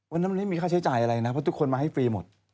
มันมีค่าใช้จ่ายอะไรนะเพราะทุกคนมาให้ฟรีหมด